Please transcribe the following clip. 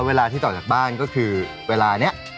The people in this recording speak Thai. เวลาที่ต่อจากบ้านก็คือเวลานี้